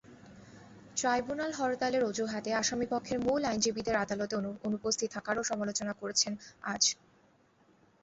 Tribunal হরতালের অজুহাতে আসামিপক্ষের মূল আইনজীবীদের আদালতে অনুপস্থিত থাকারও সমালোচনা করেছেন আজ।